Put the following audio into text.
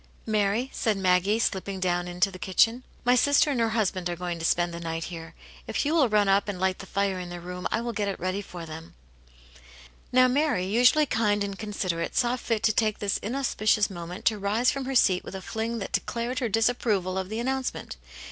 "Mary^*' said Maggie, sW^^vtv^ 4.ci>«tt vito the* Aunt yane^s Hero. 193 kitchen, "my sister and her husband arc going to spend the night here. If you will run up and light the fire in their room, I will get it ready for them." Now Mary, usually kind and considerate, saw fit to take this inauspicious moment to rise from her seat with a fling that declared her disapproval of the an nouncement.